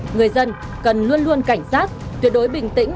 người dân cần luôn luôn cảnh giác tuyệt đối bình tĩnh